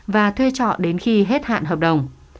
và thuê trọ đến khi hết hạn hợp đồng